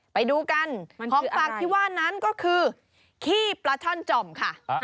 ไปดูกันของฝากที่ว่านั้นก็คือขี้ปลาช่อนจ่อมค่ะ